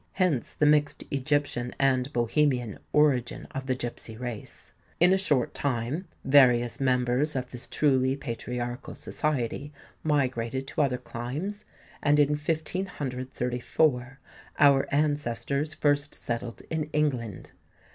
Hence the mixed Egyptian and Bohemian origin of the gipsy race. In a short time various members of this truly patriarchal society migrated to other climes; and in 1534 our ancestors first settled in England.